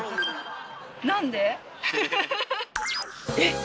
えっ！